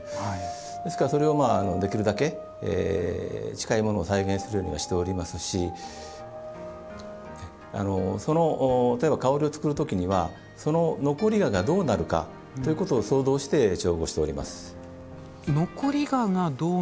ですから、それをできるだけ、近いものを再現するようにはしていますしその香りを作るときにはその残り香がどうなるかということを想像して調合しております。